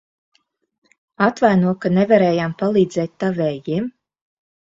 Atvaino, ka nevarējām palīdzēt tavējiem.